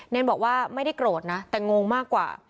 บอกว่าไม่ได้โกรธนะแต่งงมากกว่า